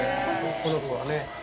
このコはね。